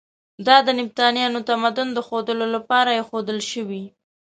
دا د نبطیانو تمدن د ښودلو لپاره ایښودل شوي.